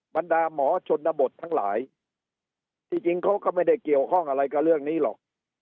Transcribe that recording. บรรดาหมอชนบททั้งหลายที่จริงเขาก็ไม่ได้เกี่ยวข้องอะไรกับเรื่องนี้หรอก